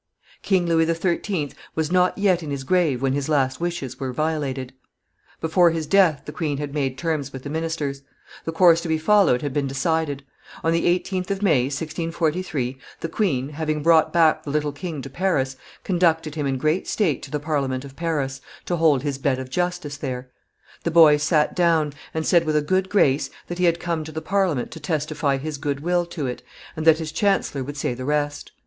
King Louis XIII. was not yet in his grave when his last wishes were violated; before his death the queen had made terms with the ministers; the course to be followed had been decided. On the 18th of May, 1643, the queen, having brought back the little king to Paris, conducted him in great state to the Parliament of Paris to hold his bed of justice there. The boy sat down and said with a good grace that he had come to the Parliament to testify his good will to it, and that his chancellor would say the rest.